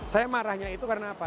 saya marahnya itu karena apa